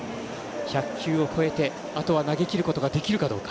１００球を超えて、あとは投げきることができるかどうか。